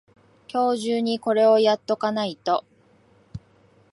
今日中にこれをやっとかないと